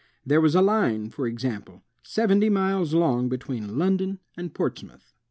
There was a line, for example, seventy miles long between London and Portsmouth.